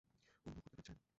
অনুভব করতে পারছেন?